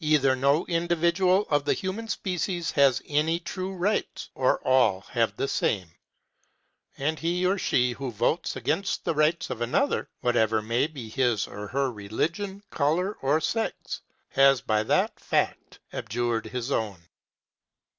Either no individual of the human species has any true rights, or all have the same; and he or she who votes against the rights of another, whatever may be his or her religion, colour, or sex, has by that fact abjured his own.